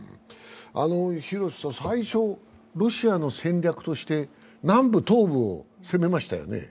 廣瀬さん、最初、ロシアの戦略として南部、東部を攻めましたよね。